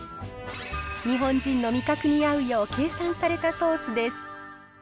日本人の味覚に合うよう計算されたソースです。